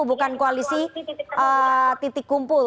bukan koalisi titik kumpul